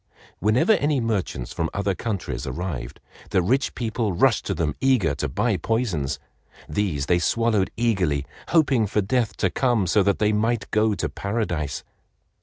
Whenever any merchants from other countries arrived, the rich people rushed to them eager to buy poisons. These they swallowed eagerly, hoping for death to come so that they might go to Paradise.